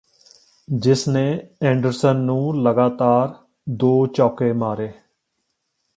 ਜਿਸ ਨੇ ਐਂਡਰਸਨ ਨੂੰ ਲਗਾਤਾਰ ਦੋ ਚੌਕੇ ਮਾਰੇ